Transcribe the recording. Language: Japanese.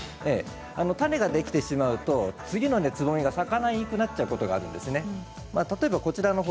種ができてしまうと次のつぼみが咲かなくなっちゃうことがよくあるんですね。